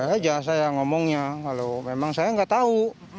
aja saya ngomongnya kalau memang saya nggak tahu